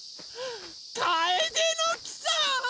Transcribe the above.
カエデの木さん！